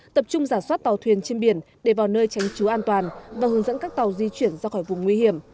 tập trung giả soát tàu thuyền trên biển để vào nơi tránh trú an toàn và hướng dẫn các tàu di chuyển ra khỏi vùng nguy hiểm